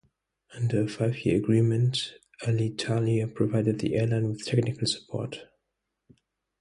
Under a five-year agreement, Alitalia provided the airline with technical support.